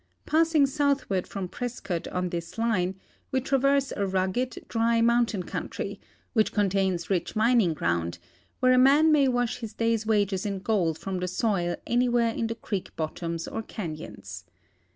Passing southward from Prescott on this line, we traverse a rugged, dry, mountain country, which contains rich mining ground where a man may wash his day's wages in gold from the sojl anywhere in the creek bottoms or canons.